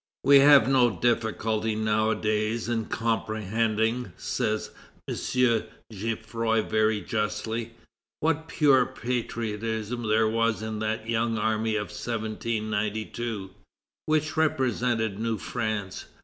"We have no difficulty nowadays in comprehending," says M. Geffroy very justly, "what pure patriotism there was in that young army of 1792, which represented new France.